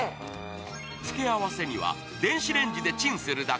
付け合わせには、電子レンジでチンするだけ。